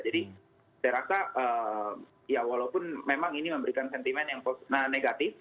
jadi saya rasa ya walaupun memang ini memberikan sentimen yang negatif